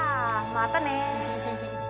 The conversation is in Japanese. またね。